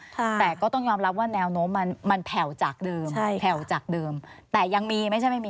แต่ก็ต้องยอมรับว่าแนวโน้มมันแผ่วจากเดิมแต่ยังมีมั้ยใช่ไม่มี